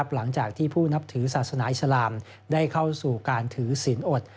หลังจากที่ผู้นับถือศาสนาอิสลามได้เข้าสู่การถือศีลอด